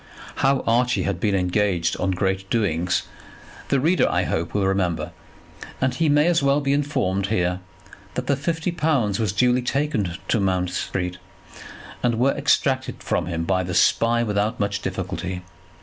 How Archie had been engaged on great doings, the reader, I hope, will remember; and he may as well be informed here that the fifty pounds were duly taken to Mount Street, and were extracted from him by the Spy without much difficulty.